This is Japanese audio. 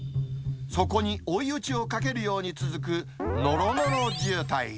そこに追い打ちをかけるように続くのろのろ渋滞。